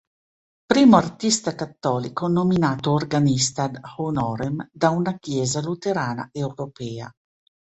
Primo artista cattolico nominato organista ad honorem da una chiesa luterana europea.